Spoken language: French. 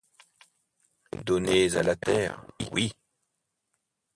Donnés à la terre, oui!